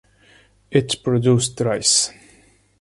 It produced rice.